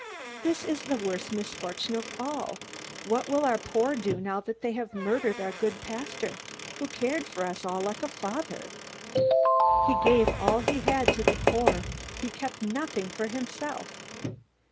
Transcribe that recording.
"This is the worst misfortune of all! What will our poor do now that they have murdered our good pastor, who cared for us all like a father?" "He gave all he had to the poor, he kept nothing for himself."